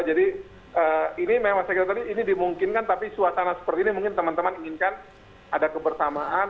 jadi ini memang saya kira tadi ini dimungkinkan tapi suasana seperti ini mungkin teman teman inginkan ada kebersamaan